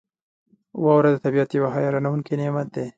• واوره د طبعیت یو حیرانونکی نعمت دی.